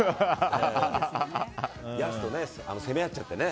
やすと責め合っちゃってね。